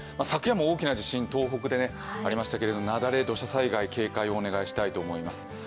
昨夜も大きな地震、東北でありましたけども雪崩、土砂災害、警戒をお願いしたいと思います。